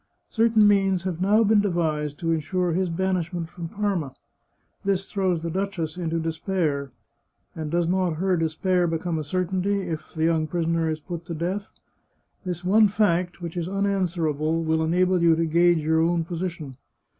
Certain means have now been devised to insure his banishment from Parma. This throws the duchess into de spair. And does not her despair become a certainty, if the 362 The Chartreuse of Parma young prisoner is put to death? This one fact, which is unanswerable, will enable you to gauge your own position.